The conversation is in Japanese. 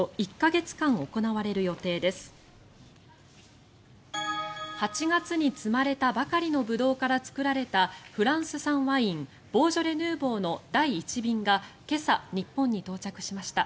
８月に摘まれたばかりのブドウから作られたフランス産ワインボージョレ・ヌーボーの第１便が今朝、日本に到着しました。